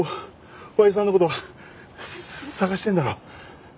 親父さんの事捜してるんだろ？